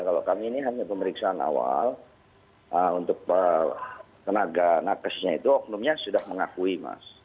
kalau kami ini hanya pemeriksaan awal untuk tenaga nakesnya itu oknumnya sudah mengakui mas